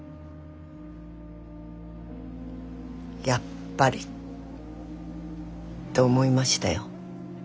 やっぱりと思いましたよ。